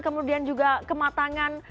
kemudian juga kematangan